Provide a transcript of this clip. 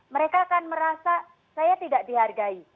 mereka akan merasa saya tidak dihargai